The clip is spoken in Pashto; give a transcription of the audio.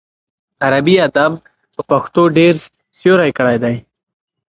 عربي ادب په پښتو ډېر سیوری کړی دی.